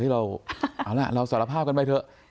เออเราเอาล่ะเราสอรรพาบกันไปเถอะ